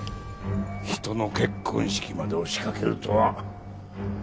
人の結婚式まで押しかけるとは。